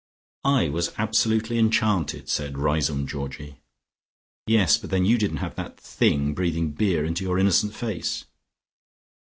"I was absolutely enchanted," said Riseholme Georgie. "Yes, but then you didn't have that Thing breathing beer into your innocent face."